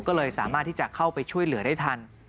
ก็เลยสามารถที่จะเข้าไปช่วยเหลือได้ทัน